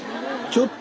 ちょっと。